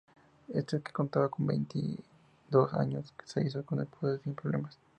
Este, que contaba con veintidós años, se hizo con el poder sin problemas.